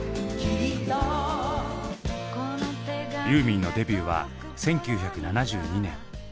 ユーミンのデビューは１９７２年。